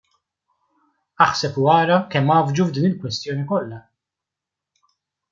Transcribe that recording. Aħseb u ara kemm għaffġu f'din il-kwestjoni kollha!